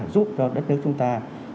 giúp cho đất nước chúng ta